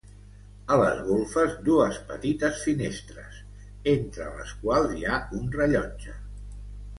A les golfes dues petites finestres entre les quals hi ha un rellotge.